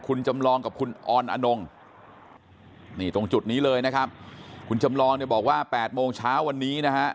คุณจำลองกับคุณออนอนงนี่ตรงจุดนี้เลยนะครับคุณจำลองเนี่ยบอกว่า๘โมงเช้าวันนี้นะฮะ